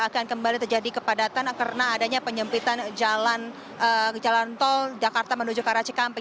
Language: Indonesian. akan kembali terjadi kepadatan karena adanya penyempitan jalan jalan tol jakarta menuju karacikampek